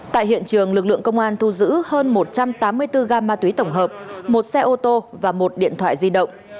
tại hiện trường lực lượng công an thu giữ hơn một trăm tám mươi bốn gam ma túy tổng hợp một xe ô tô và một điện thoại di động